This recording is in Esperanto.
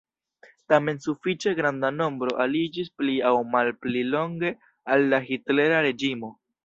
Tamen sufiĉe granda nombro aliĝis pli aŭ malpli longe al la hitlera reĝimo.